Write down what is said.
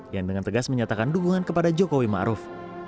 yang dengan tegas menyatakan dukungan kepada jokowi maruf